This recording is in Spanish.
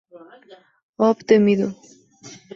Up The Middle.